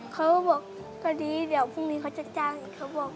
เขาบอกก็ดีเดี๋ยวพรุ่งนี้เขาจะจ้างอีกเขาบอก